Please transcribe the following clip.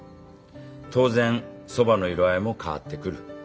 当然そばの色合いも変わってくる。